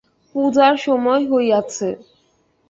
পূজার সময় হইয়াছে।